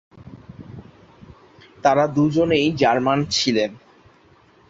তারা দুজনেই জার্মান ছিলেন।